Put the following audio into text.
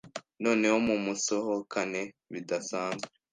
Noneho mumusohokane bidasanzwe